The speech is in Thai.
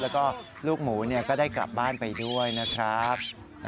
แล้วก็ลูกหมูก็ได้กลับบ้านไปด้วยนะครับ